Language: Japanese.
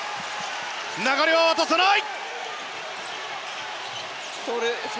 流れは渡さない！